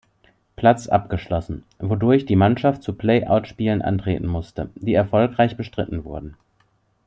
Platz abgeschlossen, wodurch die Mannschaft zu Play-Out-Spielen antreten musste, die erfolgreich bestritten wurden.